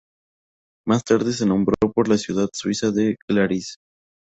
Más adelante se nombró por la ciudad suiza de Glaris.